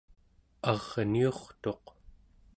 arniurtuq